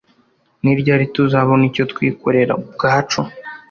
Ni ryari tuzabona icyo twikorera ubwacu